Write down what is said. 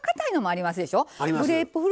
あります。